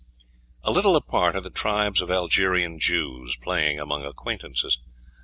A little apart are the tribes of Algerian Jews, playing among acquaintances.